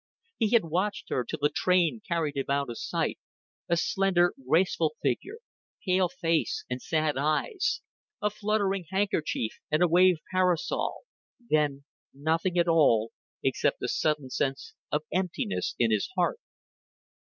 He had watched her till the train carried him out of sight a slender graceful figure; pale face and sad eyes; a fluttering handkerchief and a waved parasol; then nothing at all, except a sudden sense of emptiness in his heart.